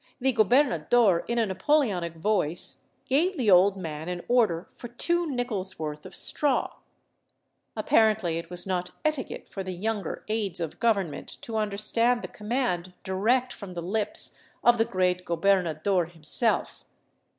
The gobernador in a Napoleonic voice gave the old man an order for two nickel's worth of straw. Apparently it was not etiquette for the younger aids of government to understand the command direct from the lips of the great gobernador himself.